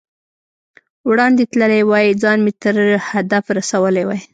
وړاندې تللی وای، ځان مې تر هدف رسولی وای.